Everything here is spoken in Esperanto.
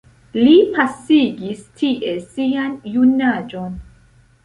Li pasigis tie sian junaĝon.